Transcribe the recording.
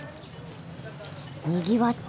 にぎわってるな。